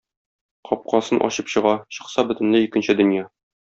Капкасын ачып чыга, чыкса - бөтенләй икенче дөнья.